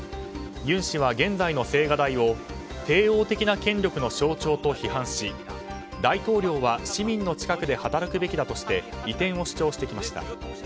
尹氏は現在の青瓦台を帝王的な権力の象徴と批判し大統領は市民の近くで働くべきだとして移転を主張してきました。